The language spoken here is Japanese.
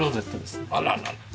あららら。